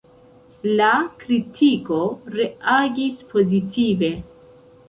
La kritiko reagis pozitive.